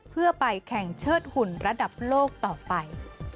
เพื่อไปแข่งเชิดหุ่นระดับโลกต่อไป